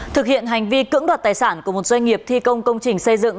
thực hiện hành vi cưỡng đoạt tài sản của một doanh nghiệp thi công công trình xây dựng